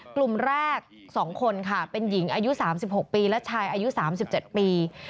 กลุ่มแรก๒คนค่ะเป็นหญิงอายุ๓๖ปีและชายอายุ๓๗ปี